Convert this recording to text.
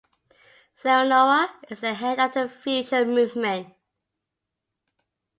Siniora is the head of the Future Movement.